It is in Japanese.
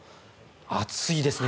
暑いですね